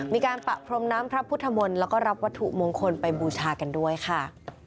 มีการปะพรมน้ำพระพุทธมนต์แล้วก็รับวัตถุมงคลไปบูชากันด้วยค่ะ